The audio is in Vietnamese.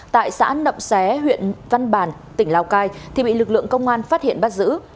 tại xã nậm xé huyện văn bàn tỉnh lào cai thì bị lực lượng công an phát hiện bắt giữ